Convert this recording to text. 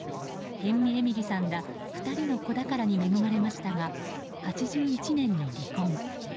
辺見えみりさんら２人の子宝に恵まれましたが８１年に離婚。